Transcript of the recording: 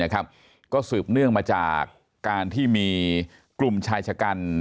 ก็สืบเนื่องมาจากการที่มีกลุ่มชายชะกัน